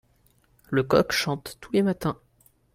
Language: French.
le coq chante tous les matins.